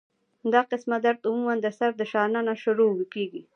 دا قسمه درد عموماً د سر د شا نه شورو کيږي